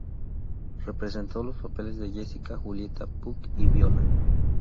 Representó los papeles de Jessica, Julieta, Puck y Viola.